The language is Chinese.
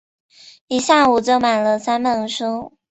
一个下午就买了三本书